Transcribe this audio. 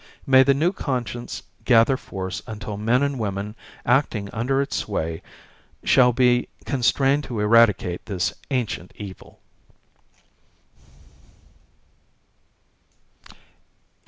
May the new conscience gather force until men and women, acting under its sway, shall be constrained to eradicate this ancient evil!